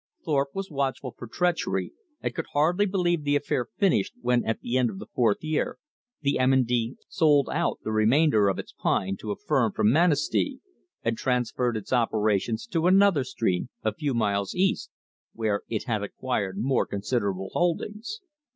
Thorpe was watchful for treachery, and could hardly believe the affair finished when at the end of the fourth year the M. & D. sold out the remainder of its pine to a firm from Manistee, and transferred its operations to another stream a few miles east, where it had acquired more considerable holdings.